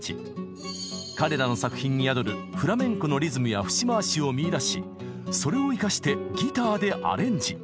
彼らの作品に宿るフラメンコのリズムや節回しを見いだしそれを生かしてギターでアレンジ。